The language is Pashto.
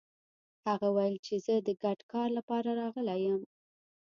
هغه ويل چې زه د ګډ کار لپاره راغلی يم.